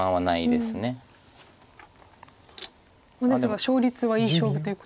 ですが勝率はいい勝負ということで。